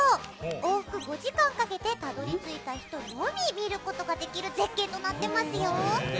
往復５時間かけてたどり着いた人のみ見ることができる絶景となってますよ。